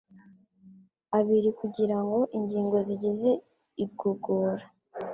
abiri kugira ngo ingingo zigize igogora